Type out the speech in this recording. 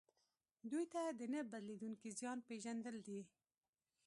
دوی ته د نه بدلیدونکي زیان پېژندل دي.